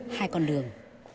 hai con đường